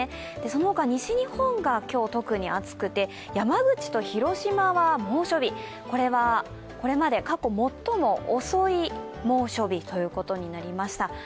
その他西日本が今日特に暑くて山口と広島は猛暑日、これは、これまで過去最も遅い猛暑日ということになりました。